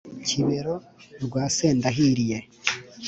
-kibero rwa sendahiriye,